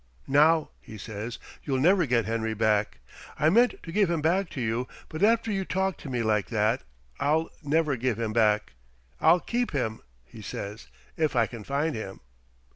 'Now,' he says, 'you'll never get Henry back. I meant to give him back to you, but after you have talked to me like that I'll never give him back. I'll keep him,' he says, 'if I can find him.'